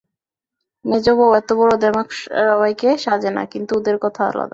মেজোবউ, এতবড়ো দেমাক সবাইকে সাজে না, কিন্তু ওঁদের কথা আলাদা।